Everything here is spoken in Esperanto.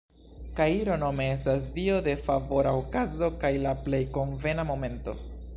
Kairo nome estas dio de "favora okazo kaj la plej konvena momento".